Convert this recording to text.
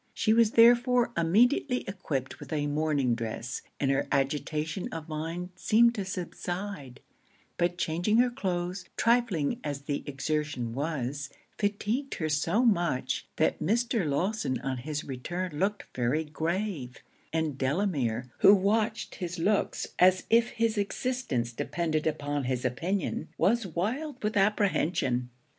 She was therefore immediately equipped with a morning dress, and her agitation of mind seemed to subside; but changing her cloaths, trifling as the exertion was, fatigued her so much, that Mr. Lawson on his return looked very grave; and Delamere, who watched his looks as if his existence depended upon his opinion, was wild with apprehension.